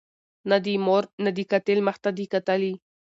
نه دي مور د قاتل مخ ته دي کتلي